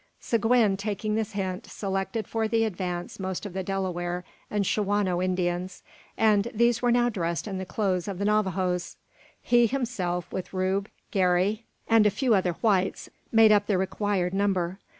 Seguin, taking this hint, selected for the advance most of the Delaware and Shawano Indians; and these were now dressed in the clothes of the Navajoes. He himself, with Rube, Garey, and a few other whites, made up the required number.